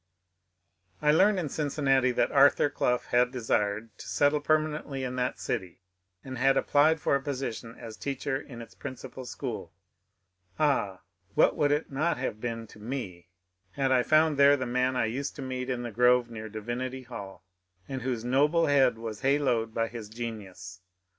I learned in Cincinnati that Arthur Clough had desired to settle permanently in that city, and had applied for a position as teacher in its principal school. Ah, what would it not have been to me had I found there the man I used to meet in the grove near Divinity Hall, and whose noble head was haloed by his genius